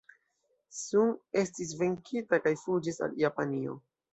Sun estis venkita kaj fuĝis al Japanio.